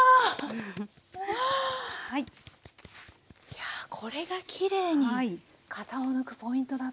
いやこれがきれいに型を抜くポイントだったんですね。